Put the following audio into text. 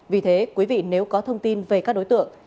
vì thế quý vị nếu có thông tin về các đối tượng